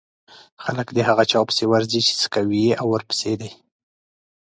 خلک د هغه چا پسې ورځي چې څکوی يې ورپسې دی.